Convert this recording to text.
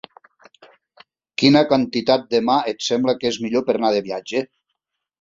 Quina quantitat de mà et sembla que és millor per anar de viatge?